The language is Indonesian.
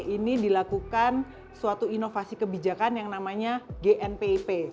ini dilakukan suatu inovasi kebijakan yang namanya gnpip